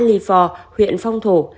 lì phò huyện phong thổ